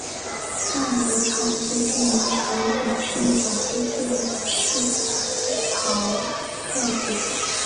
酿酒厂最著名的产品是一种黑色的司陶特啤酒。